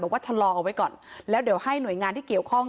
ว่าชะลอเอาไว้ก่อนแล้วเดี๋ยวให้หน่วยงานที่เกี่ยวข้อง